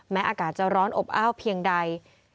อากาศจะร้อนอบอ้าวเพียงใด